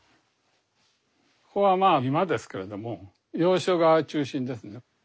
ここは居間ですけれども洋書が中心ですね。